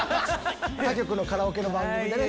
他局のカラオケの番組でね。